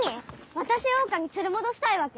私を桜花に連れ戻したいわけ？